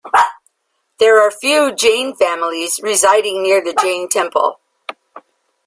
There are few Jain families residing near the Jain temple.